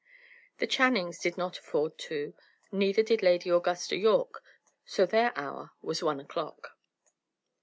The Channings did not afford two, neither did Lady Augusta Yorke; so their hour was one o'clock.